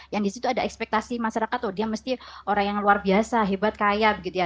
yang di situ ada ekspektasi masyarakat tuh dia mesti orang yang luar biasa hebat kaya gitu ya